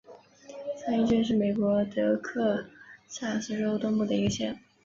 三一郡是美国德克萨斯州东部的一个县。